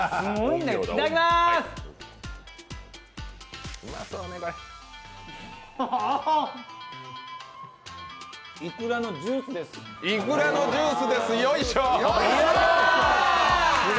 いくらのジュースです。